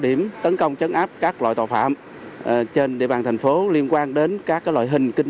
điểm tấn công chấn áp các loại tội phạm trên địa bàn thành phố liên quan đến các loại hình kinh